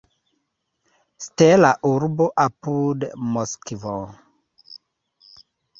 Stela Urbo apud Moskvo.